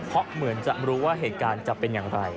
เพราะเหมือนจะรู้ว่าเหตุการณ์จะเป็นอย่างไร